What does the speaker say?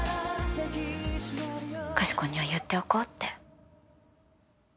かしこには言っておこうって。